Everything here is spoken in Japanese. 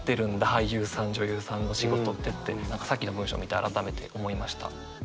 俳優さん女優さんの仕事ってって何かさっきの文章を見て改めて思いました。